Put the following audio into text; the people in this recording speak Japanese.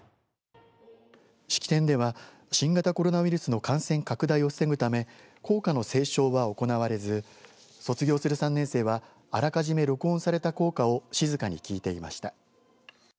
式典では新型コロナウイルスの感染拡大を防ぐため校歌の斉唱は行われず卒業する３年生はあらかじめ録音された校歌を静かに聞いていました。